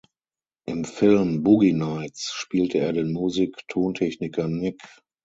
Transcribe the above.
Im Film "Boogie Nights" spielte er den Musik-Tontechniker Nick.